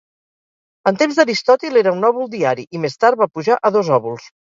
En temps d'Aristòtil era un òbol diari, i més tard va pujar a dos òbols.